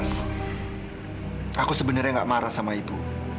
ras aku sebenarnya nggak marah sama ibu